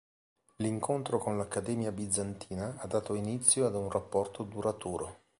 L'incontro con l'Accademia Bizantina ha dato inizio ad un rapporto duraturo.